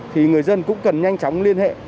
thì người dân cũng cần nhanh chóng liên hệ